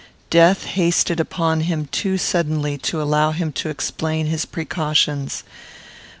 Death hasted upon him too suddenly to allow him to explain his precautions.